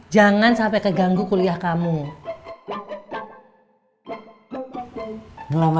jangan sampai tetehganggu kuliillah kamu untuk kita